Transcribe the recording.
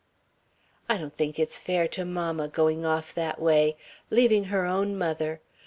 "I don't think it's fair to mamma going off that way. Leaving her own mother.